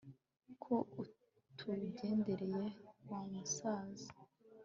ko utugendereye wa musaza